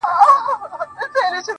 پير، مُريد او ملا هم درپسې ژاړي,